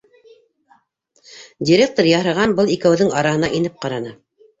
Директор ярһыған был икәүҙең араһына инеп ҡараны